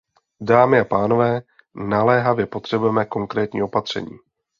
Dámy a pánové, naléhavě potřebujeme konkrétní opatření.